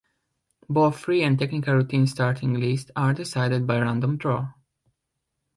Both free and technical routines starting lists are decided by random draw.